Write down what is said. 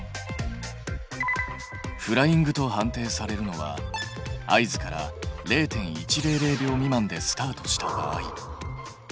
フライングと判定されるのは合図から０．１００秒未満でスタートした場合。